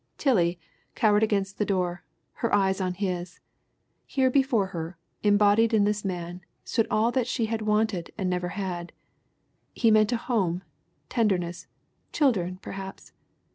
"Tillie cowered against the door, her eyes on his. Here before her, embodied in this man, stood all that she had wanted and never had. He meant a home, tenderness, children, perhaps.